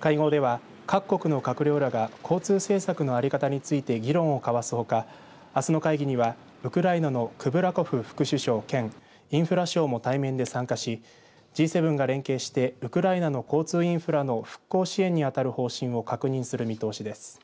会合では、各国の閣僚らが交通政策の在り方について議論を交わすほかあすの会議にはウクライナのクブラコフ副首相兼インフラ相も対面で参加し、Ｇ７が連携してウクライナの交通インフラの復興支援に当たる方針を確認する見通しです。